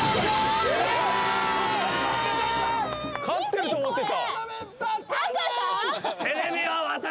勝ってると思ってた。